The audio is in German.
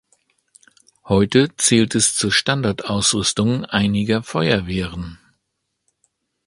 Heute zählt es zur Standardausrüstung einiger Feuerwehren.